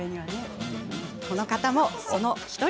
この方もその１人。